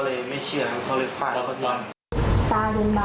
เพราะว่าเมื่อก่อนเมื่อกั้นก็เลยสอบถามว่าทำไมเขาตีไปทำผิดอะไรหรือเปล่า